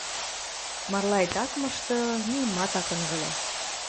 Марлаэт ак мышты, нимат ак ынгылы.